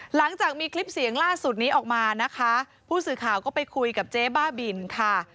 หลังจากมีคลิปเสียงล่าสุดนี้ออกมานะคะผู้สื่อข่าวก็ไปคุยกับเจ๊บ้าบินค่ะ